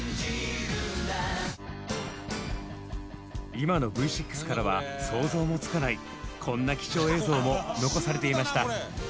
今のＶ６からは想像もつかないこんな貴重映像も残されていました。